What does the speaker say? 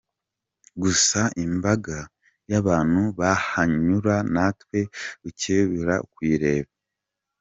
Gusa imbaga y’abantu bahanyura ntawe ukebukira kuyareba.